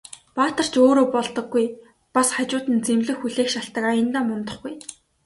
Баатар ч өөрөө болдоггүй, бас хажууд нь зэмлэл хүлээх шалтаг аяндаа мундахгүй.